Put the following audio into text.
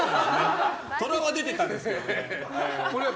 トラは出てたんですけどね。